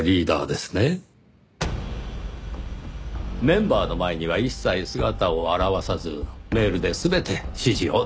メンバーの前には一切姿を現さずメールで全て指示を出していた。